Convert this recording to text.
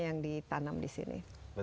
yang ditanam di sini